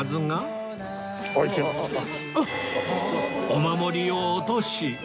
お守りを落とし